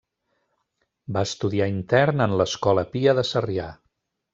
Va estudiar intern en l'Escola Pia de Sarrià.